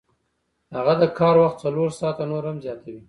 هغه د کار وخت څلور ساعته نور هم زیاتوي